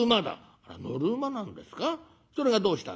それがどうしたんです？」。